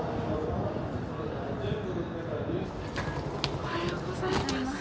おはようございます。